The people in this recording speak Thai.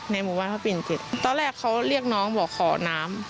ในหมู่บ้านพระพิเศษกิจตอนแรกเขาเรียกน้องบอกขอน้ำ